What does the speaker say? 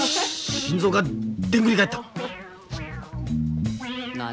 心臓がでんぐり返った何？